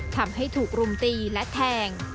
ทำให้ถูกรุมตีและแทง